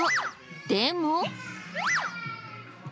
でも。